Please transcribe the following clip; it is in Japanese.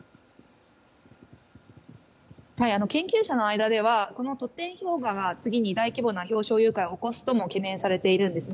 研究者の間ではこのトッテン氷河が次に大規模な氷床融解を起こすとも懸念されているんです。